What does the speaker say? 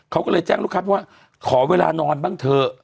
เขาก็เลยแจ้งลูกค้าว่าขอเวลานอนบ้างเถอะ